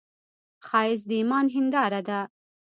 ښایست د ایمان هنداره ده